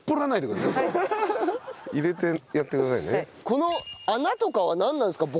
この穴とかはなんなんですか？